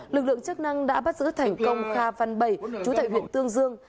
lực lượng chức năng đã bắt giữ thành công kha phan bảy chú tệ huyện tương dương